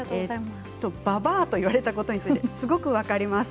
ばばあと言われたことについてすごく分かります。